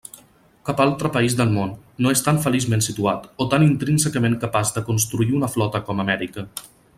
Cap altre país del món no és tan feliçment situat, o tan intrínsecament capaç de construir una flota com Amèrica.